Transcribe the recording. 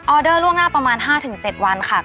เดอร์ล่วงหน้าประมาณ๕๗วันค่ะ